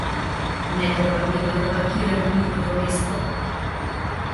Не трпат некој да паркира на нивното место.